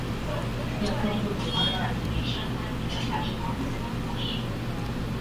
Uchafuzi wa mazingira unaweza kuwadawa za kuua wadudu